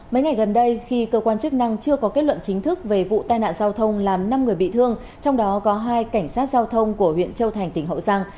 mấy ngày gần đây khi cơ quan chức năng chưa có kết luận chính thức về vụ tai nạn giao thông làm năm người bị thương trong đó có hai cảnh sát giao thông của huyện châu thành tỉnh hậu giang